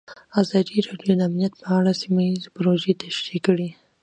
ازادي راډیو د امنیت په اړه سیمه ییزې پروژې تشریح کړې.